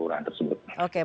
oke masyarakat harus diaktifkan